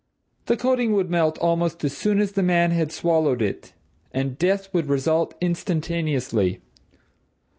The coating would melt almost as soon as the man had swallowed it and death would result instantaneously.